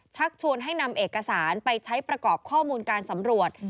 ชักชวนให้นำเอกสารไปใช้ประกอบข้อมูลการสำรวจ